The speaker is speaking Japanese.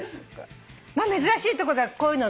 珍しいとこではこういうの。